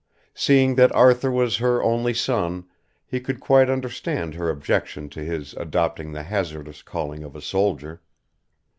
Seeing that Arthur was her only son he could quite understand her objection to his adopting the hazardous calling of a soldier.